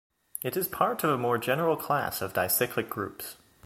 It is a part of more general class of dicyclic groups.